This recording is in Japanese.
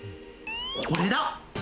これだ！